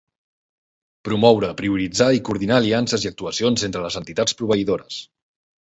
Promoure, prioritzar i coordinar aliances i actuacions entre les entitats proveïdores.